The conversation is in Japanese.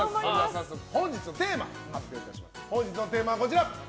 早速本日のテーマはこちら。